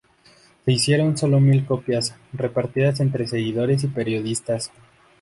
Se hicieron sólo mil copias, repartidas entre seguidores y periodistas.